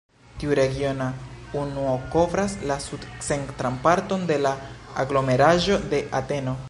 Tiu regiona unuo kovras la sud-centran parton de la aglomeraĵo de Ateno.